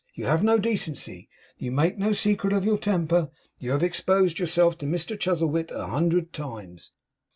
You have no decency; you make no secret of your temper; you have exposed yourself to Mr Chuzzlewit a hundred times.